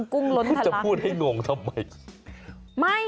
กุ้งล้นขนาดพูดให้งงทำไม